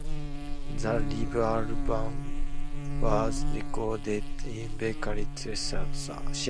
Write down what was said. The live album was recorded in Berkley Theater.